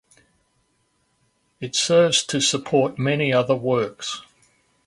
It serves to support many other works.